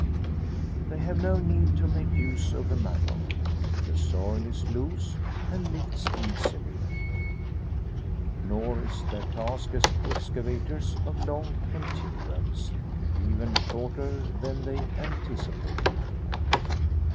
They have no need to make use of the mattock; the soil is loose, and lifts easily. Nor is their task as excavators of long continuance even shorter than they anticipated.